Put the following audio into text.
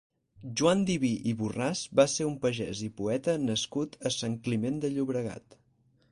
Joan Diví i Borràs va ser un pagès i poeta nascut a Sant Climent de Llobregat.